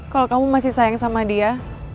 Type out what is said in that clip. kalau kamu masih sayang sama dia